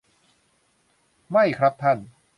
ไม่ครับท่าน